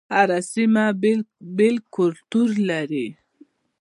هر سيمه بیل کلتور لري